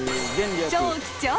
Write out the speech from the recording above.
超貴重！？